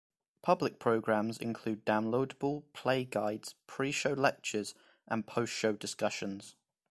Public programs include downloadable play guides, pre-show lectures, and post-show discussions.